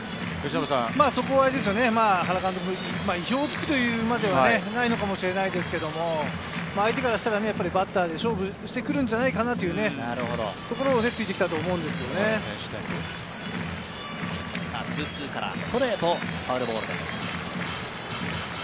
原監督、意表を突くとまではないのかもしれないですけど、相手からしたらバッターで勝負してくるんじゃないかなというところをついてきたと思うんでストレート、ファウルボールです。